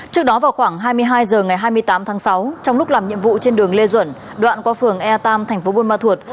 trước đó vào khoảng hai mươi hai h ngày hai mươi tám tháng sáu trong lúc làm nhiệm vụ trên đường lê duẩn đoạn qua phường e tam thành phố buôn ma thuột